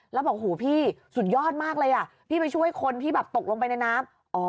แล้วบอกหูพี่สุดยอดมากเลยอ่ะพี่ไปช่วยคนที่แบบตกลงไปในน้ำ